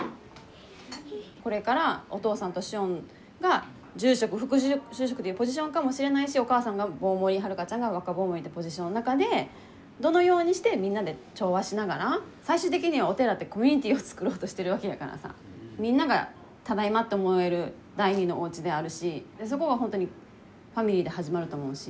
これからお父さんと師恩が住職副住職っていうポジションかもしれないしお母さんが坊守晴香ちゃんが若坊守っていうポジションの中でどのようにしてみんなで調和しながら最終的にはお寺ってコミュニティーをつくろうとしてるわけやからさみんながただいまって思える第２のおうちであるしそこはほんとにファミリーで始まると思うし。